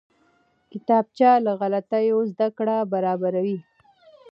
کتابچه له غلطیو زده کړه برابروي